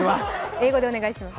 英語でお願いします。